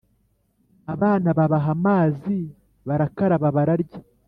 abana Babaha amazi, barakaraba bararya